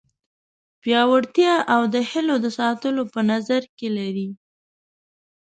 پیاوړتیا او د هیلو د ساتلو په نظر کې لري.